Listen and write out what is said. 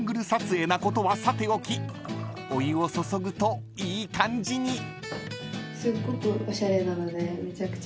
［なことはさておきお湯を注ぐといい感じに］